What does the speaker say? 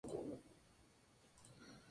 Toda la música compuesta por Abbath.